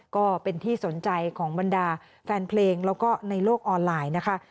ก็เป็นที่สนใจของบรรดาแฟนเพลงแล้วก็ในโลกออนไลน์นะคะ